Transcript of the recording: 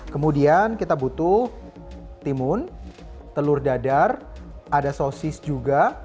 kemudian kita butuh timun telur dadar ada sosis juga